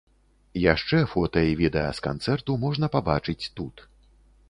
Яшчэ фота і відэа з канцэрту можна пабачыць тут.